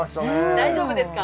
大丈夫ですか？